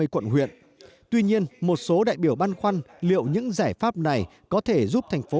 quận huyện tuy nhiên một số đại biểu băn khoăn liệu những giải pháp này có thể giúp thành phố